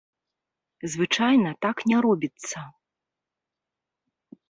Звычайна так не робіцца.